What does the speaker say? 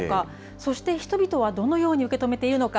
そして、人々はどのように受け止めているのか。